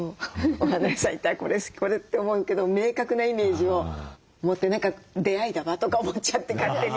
お花屋さん行ったら「これ好き」「これ」って思うけど明確なイメージを持って「出会いだわ」とか思っちゃって勝手に。